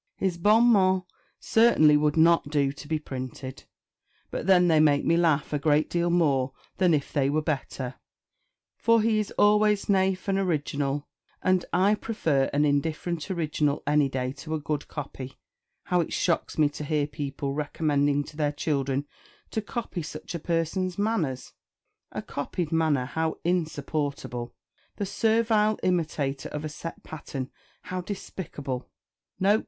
His bonmots certainly would not do to be printed; but then they make me laugh a great deal more than if they were better, for he is always naif and original, and I prefer an in indifferent original any day to a good copy. How it shocks me to hear people recommending to their children to copy such a person's manners! A copied manner, how insupportable! The servile imitator of a set pattern, how despicable! No!